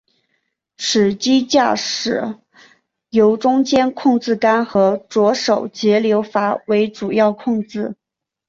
此机驾驶由中间控制杆和左手节流阀为主要控制。